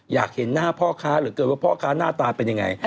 อยากเห็นหน้าพ่อค้าเหลือเกินว่าพ่อค้าหน้าตาเป็นยังไง